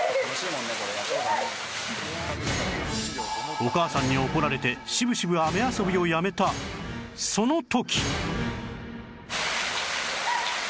お母さんに怒られて渋々雨遊びをやめたその時